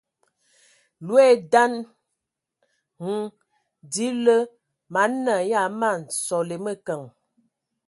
Loe daan hm di lǝ mana ya ma sole mǝkǝŋ.